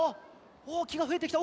おきがふえてきた。